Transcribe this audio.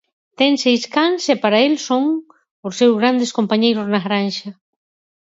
Ten seis cans e para el son os seus grandes compañeiros na granxa.